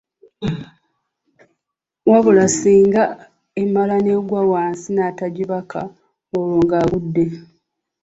Wabula singa emala n’egwa wansi n’atagibaka, olwo ng’agudde.